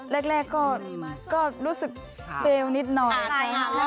แรกก็รู้สึกเซลล์นิดหน่อย